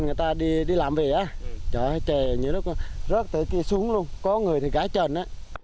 người ta đi làm về trời ơi trời ơi rớt tới kia xuống luôn có người thì gái trần